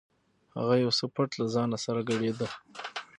هغه یو څه پټ له ځانه سره ګړېده.